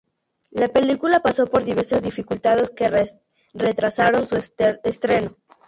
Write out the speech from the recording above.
La película pasó por diversas dificultades que retrasaron su estreno.